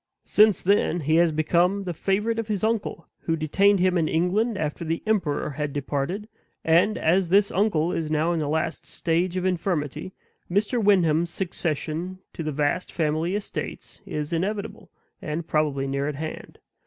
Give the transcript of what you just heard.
Since then he has become the favorite of his uncle, who detained him in England after the emperor had departed and, as this uncle is now in the last stage of infirmity, Mr. Wyndham's succession to the vast family estates is inevitable, and probably near at hand.